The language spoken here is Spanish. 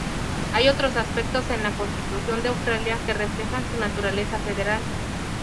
Hay otros aspectos en la Constitución de Australia que reflejan su naturaleza federal.